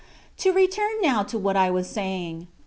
To return now to what I was saying.